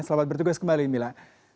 selamat bertugas kembali mila